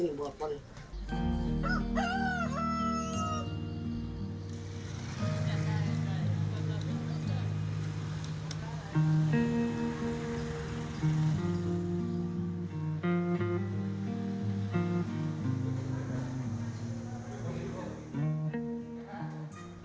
kita harus berbicara